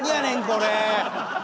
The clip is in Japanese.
これ！